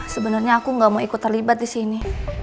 sebenarnya aku nggak mau ikut terlibat di sini